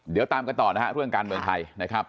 เดี๋ยวตามกันต่อนะฮะเรื่องการเมืองไทยนะครับ